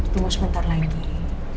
tunggu sebentar lagi ya